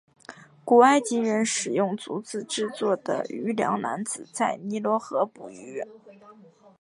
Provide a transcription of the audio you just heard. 古埃及人使用竹子制作的渔梁篮子在尼罗河捕鱼。